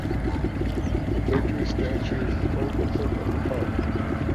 The "Victory" statue is the focal point of the park.